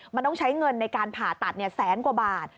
มันต้องใช้เงินในการผ่าตัดแสนกว่าบาท